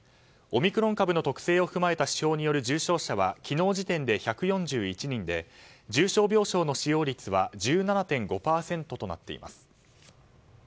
オミクロン株の特性を踏まえた指標による重症者は昨日時点で１４１人で重症病床の使用率は１７．５％となっています。